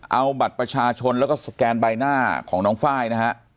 เอาบัตรประชาชนแล้วก็สแกนใบหน้าของน้องไฟล์นะฮะ